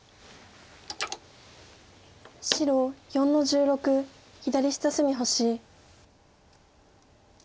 白４の十六左下隅星。